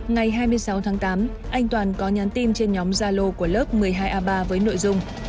ngày hai mươi sáu tháng tám anh toàn có nhắn tin trên nhóm gia lô của lớp một mươi hai a ba với nội dung